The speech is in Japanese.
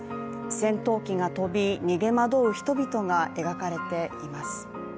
戦闘機が飛び、逃げ惑う人々が描かれています。